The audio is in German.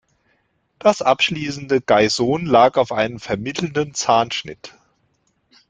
Das abschließende Geison lag auf einem vermittelnden Zahnschnitt.